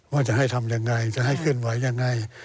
ว่าจะให้ทำอย่างไรจะให้ขึ้นไหวอย่างไร